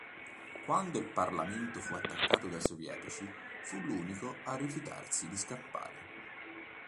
Quando il parlamento fu attaccato dai sovietici fu l'unico a rifiutarsi di scappare.